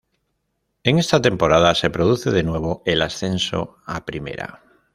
En esta temporada se produce de nuevo el ascenso a Primera.